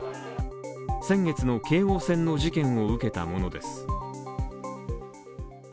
先月の京王線の事件を受けたものです。